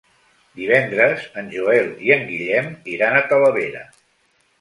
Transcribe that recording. Divendres en Joel i en Guillem iran a Talavera.